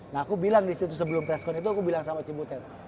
nah aku bilang di situ sebelum preskon itu aku bilang sama cibutet